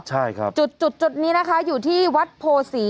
จุดนี้นะคะอยู่ที่วัดโพศี